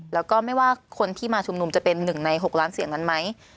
แล้วก็ไม่ว่าคนที่มาชุมนุมจะเป็น๑ใน๖ล้านเสียงนั้นไหม